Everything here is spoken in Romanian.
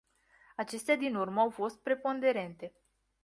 Acestea din urmă au fost preponderente.